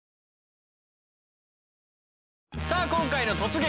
さあ今回の「突撃！